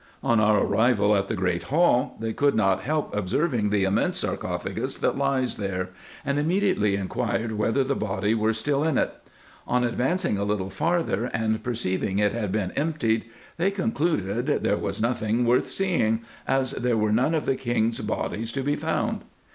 On our arrival at the great hall, they could not help observing the immense sarcophagus c c 194 RESEARCHES AND OPERATIONS that lies there, and immediately inquired whether the body were still in it. On advancing a little farther, and perceiving it had been emptied, they concluded there was nothing worth seeing, as there were none of the kings' bodies to be found.